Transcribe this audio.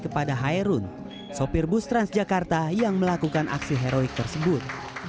kepada hairun sopir bus transjakarta yang melakukan aksi heroik tersebut